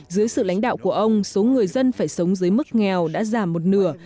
dưới sự lãnh đạo của ông số người dân phải sống dưới mức nghèo đã giảm một nửa